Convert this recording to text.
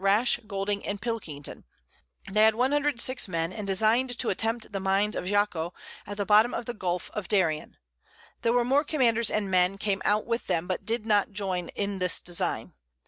Rash, Golding and Pilkington; they had 106 Men, and design'd to attempt the Mines of Jaco at the Bottom of the Gulph of Darien: There were more Commanders and Men came out with them, but did not join in this Design.